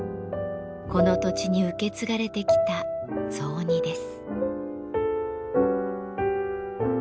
この土地に受け継がれてきた雑煮です。